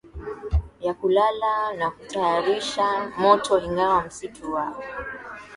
ya kulala na kutayarisha moto Ingawa msitu wa